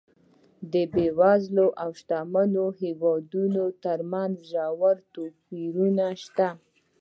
د بېوزلو او شتمنو هېوادونو ترمنځ ژور توپیرونه شته.